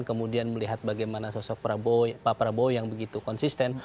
kemudian melihat bagaimana sosok pak prabowo yang begitu konsisten